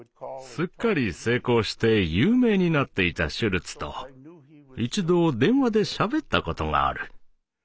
すっかり成功して有名になっていたシュルツと一度電話でしゃべったことがある。